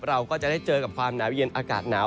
เราก็จะได้เจอกับความหนาวเย็นอากาศหนาว